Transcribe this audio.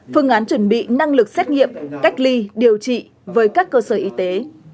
phương án chuẩn bị năng lực xét nghiệm cách ly điều trị với các cơ sở y tế